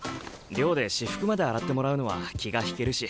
寮で私服まで洗ってもらうのは気が引けるし。